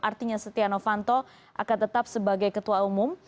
artinya setia novanto akan tetap sebagai ketua umum